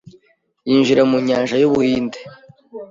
yinjira mu Nyanja y’Ubuhinde